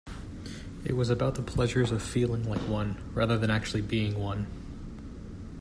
It was about the pleasures of feeling like one rather than actually being one.